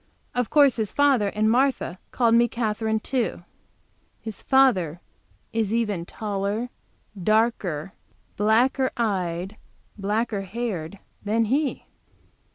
Of course his father and Martha called me Katherine, too. His father is even taller, darker, blacker eyed, blacker haired than he.